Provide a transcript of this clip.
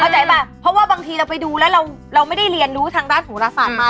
ใจป่ะเพราะว่าบางทีเราไปดูแล้วเราไม่ได้เรียนรู้ทางด้านโหรศาสตร์มา